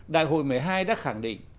đại hội một mươi hai đã khẳng định